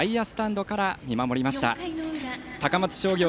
選手宣誓は外野スタンドから見守りました。